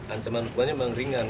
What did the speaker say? ancaman hukumannya memang ringan